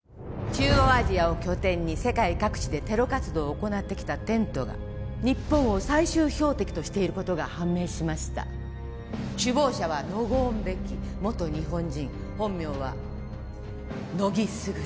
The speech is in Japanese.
中央アジアを拠点に世界各地でテロ活動を行ってきたテントが日本を最終標的としていることが判明しました首謀者はノゴーン・ベキ元日本人本名は乃木卓